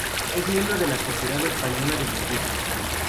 Es miembro de la Sociedad Española de Lingüística.